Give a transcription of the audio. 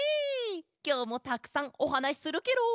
きょうもたくさんおはなしするケロ！